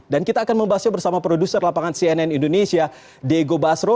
dan kita akan membahasnya bersama produser lapangan cnn indonesia diego basro